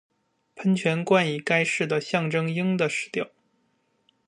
喷泉冠以该市的象征鹰的石雕。